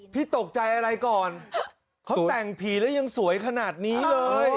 พี่ตกใจอะไรก่อนเขาแต่งผีแล้วยังสวยขนาดนี้เลย